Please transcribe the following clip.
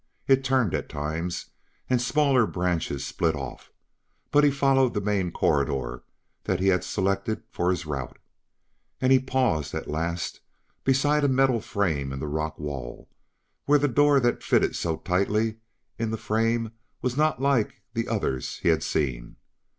It turned at times, and smaller branches split off, but he followed the main corridor that he had selected for his route. And he paused, at last, beside a metal frame in the rock wall, where the door that fitted so tightly in the frame was not like the others he had seen.